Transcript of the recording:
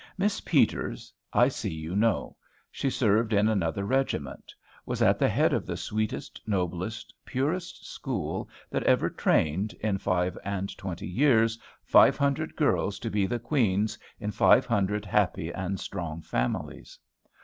Miss Peters, I see you know. She served in another regiment; was at the head of the sweetest, noblest, purest school that ever trained, in five and twenty years, five hundred girls to be the queens in five hundred happy and strong families.